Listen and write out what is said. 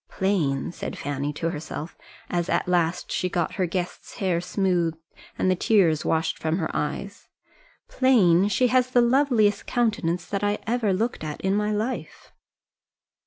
"Plain," said Fanny to herself, as at last she got her guest's hair smoothed and the tears washed from her eyes "plain! She has the loveliest countenance that I ever looked at in my life!"